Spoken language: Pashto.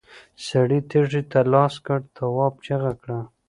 سړي تېږې ته لاس کړ، تواب چيغه کړه!